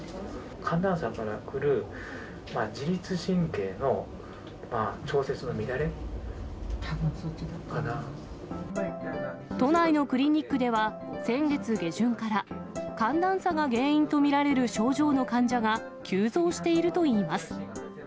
寒暖差からくる、都内のクリニックでは、先月下旬から、寒暖差が原因と見られる症状の患者が急増しているといいます。